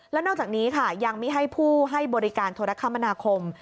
แล้วนอกจากนี้ค่ะยังไม่ให้ผู้ให้บริการโทรคมนาคม